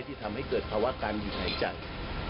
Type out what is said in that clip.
ที่ทำให้เกิดภาวะการหยุดหายใจ